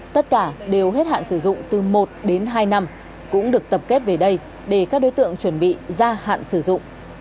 tất cả đều hết hạn sử dụng từ một đến hai năm cũng được tập kết về đây để các đối tượng chuẩn bị gia hạn sử dụng